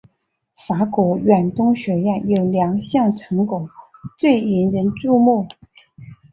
法国远东学院有两项成果最引人注目。